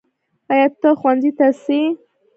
ایا ته ښؤونځي ته څې؟